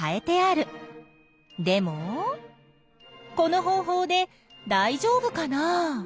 でもこの方法でだいじょうぶかな？